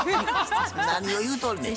何を言うとるねん。